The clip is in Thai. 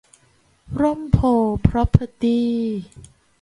ร่มโพธิ์ พร็อพเพอร์ตี้